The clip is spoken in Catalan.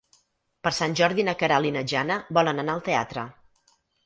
Per Sant Jordi na Queralt i na Jana volen anar al teatre.